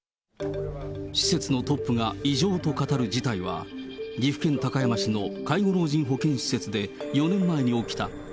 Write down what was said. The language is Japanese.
施設のトップが異常と語る事態は、岐阜県高山市の介護老人保健施設で４年前に起きた。